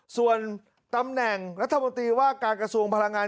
ส่วนตำแหน่งรัฐมนตรีว่าการกระทรวงพลังงาน